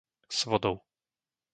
Svodov